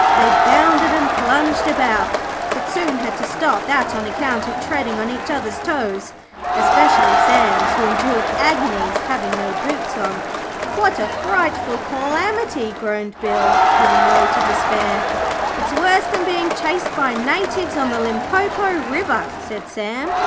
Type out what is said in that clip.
They bounded and plunged about, but soon had to stop that on account of treading on each other's toes especially Sam's, who endured agonies, having no boots on. 'What a frightful calamity,' groaned Bill giving way to despair. 'It's worse than being chased by natives on the Limpopo River,' said Sam.